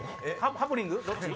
ハプニング？